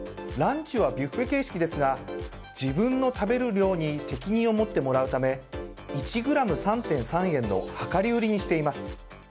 ランチはビュッフェ形式ですが自分の食べる量に責任を持ってもらうため１ｇ＝３．３円の量り売りにしています。